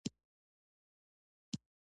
املاء په لغت کې مهلت ورکولو او ډکولو ته وايي.